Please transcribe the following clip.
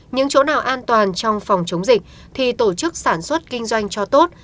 những chỗ nào an toàn trong phòng chống dịch thì tổ chức sản xuất kinh doanh cho tốt